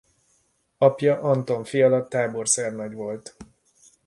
Apja Anton Fiala táborszernagy volt.